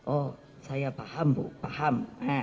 oh saya paham bu paham